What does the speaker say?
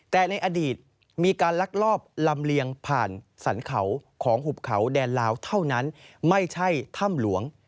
แต่ในอดีตมีการลักลอบลำเลียงผ่านสรรเขาของหุบเขาแดนลาวเท่านั้นไม่ใช่ถ้ำหลวง